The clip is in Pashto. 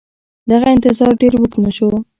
دغه انتظار ډېر اوږد نه شو.